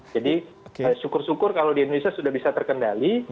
jadi syukur syukur kalau di indonesia sudah bisa terkendali